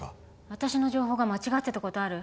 私の情報が間違ってたことある？